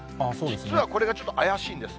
実はこれがちょっと怪しいんです。